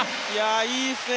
いいですね！